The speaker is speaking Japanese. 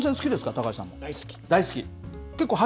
高橋さんも。大好き？